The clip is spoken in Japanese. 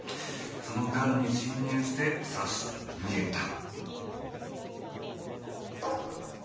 その間に侵入して刺して逃げた。